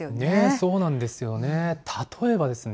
そうなんですよね。